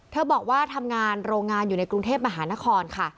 บอกว่าทำงานโรงงานอยู่ในกรุงเทพมหานครค่ะ